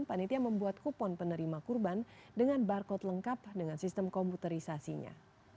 panitia membuat kupon penerima kurban dengan barcode lengkap dengan sistem komputerisasinya